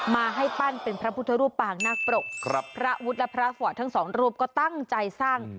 มาให้ปั้นเป็นพระพุทธรูปปางนาคปรกครับพระวุฒิและพระฟอร์ตทั้งสองรูปก็ตั้งใจสร้าง